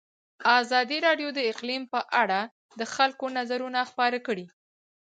ازادي راډیو د اقلیم په اړه د خلکو نظرونه خپاره کړي.